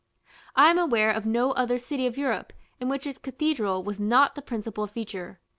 I am aware of no other city of Europe in which its cathedral was not the principal feature.